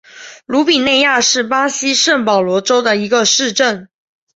鲁比内亚是巴西圣保罗州的一个市镇。